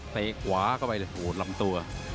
เตะขวาก็ไปแล้วโหลำตัว